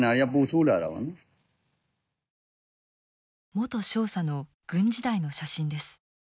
元少佐の軍時代の写真です。